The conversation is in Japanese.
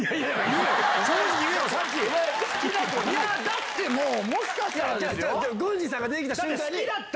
今だってもう、もしかしたら郡司さんが出てきた瞬間に。